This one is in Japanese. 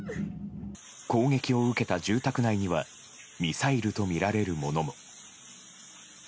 攻撃を受けた住宅内にはミサイルとみられるものも。